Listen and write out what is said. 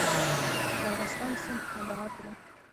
د ارغستان سیند په کندهار کې دی